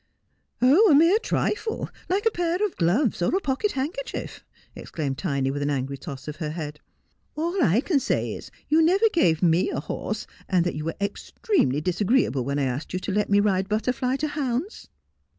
' Oh, a mere trifle, like a pair of gloves or a pocket handker chief,' exclaimed Tiny, with an angry toss of her head. 'All I can say is, you never gave me a horse, and that you were ex tremely disagreeable when I asked you to let me ride Butterfly to hounds.'